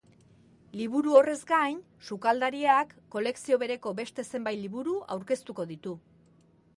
Liburu horrez gain, sukaldariak kolekzio bereko beste zenbait liburu aurkeztuko ditu.